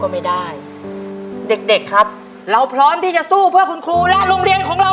ในแคมเปญพิเศษเกมต่อชีวิตโรงเรียนของหนู